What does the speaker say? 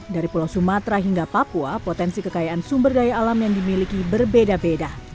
dari pulau sumatera hingga papua potensi kekayaan sumber daya alam yang dimiliki berbeda beda